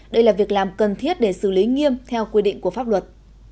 đây là việc làm cần thiết để xử lý nghiêm theo quy định của pháp luật